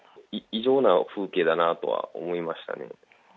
異常な風景だなとは思いましたね。